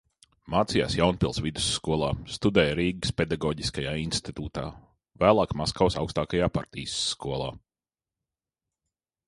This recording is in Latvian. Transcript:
Mācījās Jaunpils vidusskolā, studēja Rīgas Pedagoģiskajā institūtā, vēlāk Maskavas augstākajā partijas skolā.